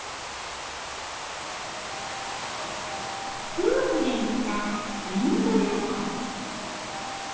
夫婦で行ったインド旅行。